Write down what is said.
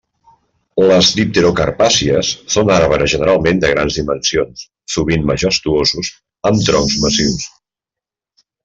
Les dipterocarpàcies són arbres generalment de grans dimensions, sovint majestuosos, amb troncs massius.